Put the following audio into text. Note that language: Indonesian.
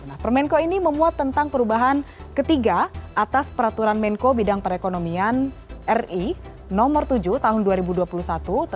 nah permenko ini memuat tentang perubahan ketiga atas peraturan menko bidang perekonomian ri nomor tujuh tahun dua ribu dua puluh satu